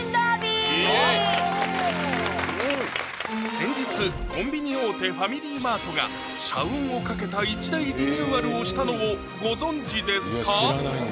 先日コンビニ大手ファミリーマートが社運をかけた一大リニューアルをしたのをご存じですか？